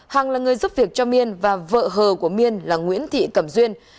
hằng là người giúp việc cho miên và vợ hờ của miên là nguyễn thị cẩm duyên